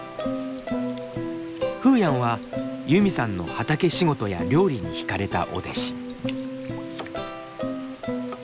フーヤンはユミさんの畑仕事や料理に惹かれたお弟子。